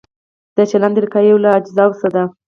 د چلند طریقه یو له اجزاوو ده.